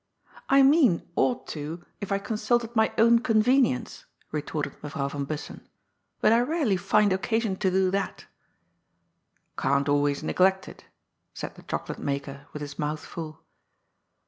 "I mean 'ought to,* if I consulted my own conven ience," retorted Mevrouw van Bussen ;" but I rarely find oc casion to do that." " Can't always neglect it," said the chocolate maker, with his mouth full.